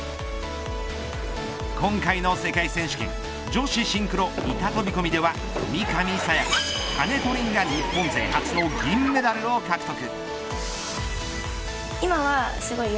今回の世界選手権女子シンクロ板飛込では三上紗也可金戸凜が日本勢初の銀メダルを獲得。